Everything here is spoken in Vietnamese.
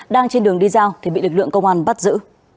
đang trên đường đi giao thì bị lực lượng công an bắt giữ